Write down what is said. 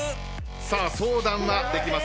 さあ相談はできません。